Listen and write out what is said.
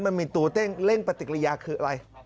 มันมีตัวเต้งเร่งปฏิกิริยาคืออะไร